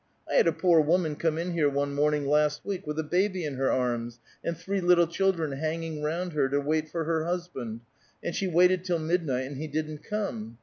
I had a poor woman come in here one morning last week with a baby in her arms, and three little children hanging round her, to wait for her husband; and she waited till midnight, and he didn't come.